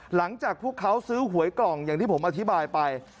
หลังจากพวกเขาซื้อหวยกล่องอย่างที่ผมอธิบายไป